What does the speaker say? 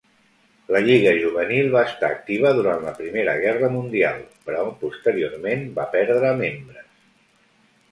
La lliga juvenil va estar activa durant la Primera guerra mundial, però posteriorment va perdre membres.